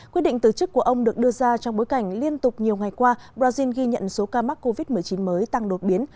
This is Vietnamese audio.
quyết định từ chức của ông được đưa ra trong bối cảnh liên tục nhiều ngày qua brazil ghi nhận số ca mắc covid một mươi chín mới tăng đột biến